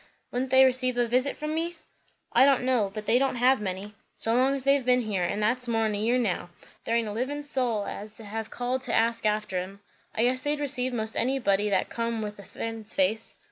"Would they receive a visit from me?" "I don' know; but they don't have many. So long as they've been here, and that's more'n a year now, there aint a livin' soul as has called to ask after 'em. I guess they'd receive most anybody that come with a friend's face.